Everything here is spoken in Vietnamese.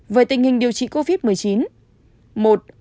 với tình hình điều trị covid một mươi chín